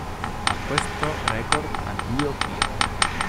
A questo record "Addio Kira!